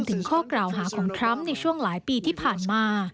ถึงข้อกล่าวหาของทรัมป์ในช่วงหลายปีที่ผ่านมา